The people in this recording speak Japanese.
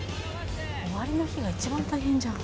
終わりの日が一番大変じゃん。